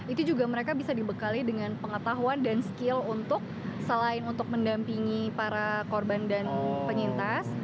itu juga mereka bisa dibekali dengan pengetahuan dan skill untuk selain untuk mendampingi para korban dan penyintas